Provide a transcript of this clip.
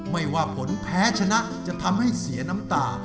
ไม่ว่าผลแพ้ชนะจะทำให้เสียน้ำตา